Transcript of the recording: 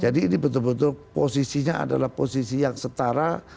jadi ini betul betul posisinya adalah posisi yang setara